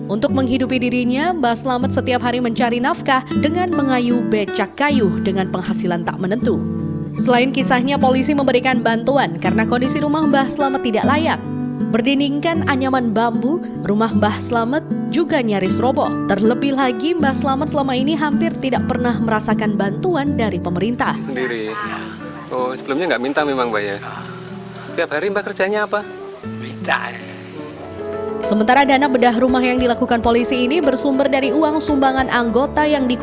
untuk membangun rumah milik mbak selamet